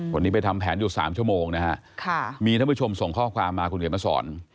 วันนี้ไปทำแผนอยู่๓ชั่วโมงนะฮะมีท่านผู้ชมส่งข้อความมาคุณเขียนมาสอน